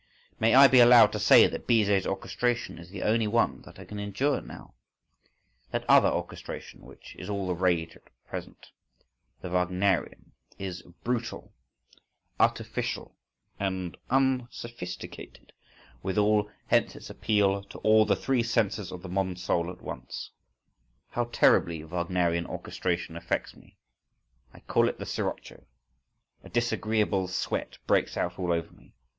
—May I be allowed to say that Bizet's orchestration is the only one that I can endure now? That other orchestration which is all the rage at present—the Wagnerian—is brutal, artificial and "unsophisticated" withal, hence its appeal to all the three senses of the modern soul at once. How terribly Wagnerian orchestration affects me! I call it the Sirocco. A disagreeable sweat breaks out all over me.